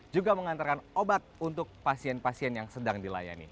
juga mengantarkan obat untuk pasien pasien yang sedang dilayani